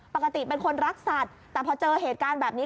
ปกติเป็นคนรักสัตว์แต่พอเจอเหตุการณ์แบบนี้